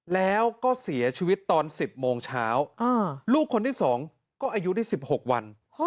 แล้วก็เสียชีวิตตอน๑๐โมงเช้าลูกคนที่๒ก็อายุได้๑๖วัน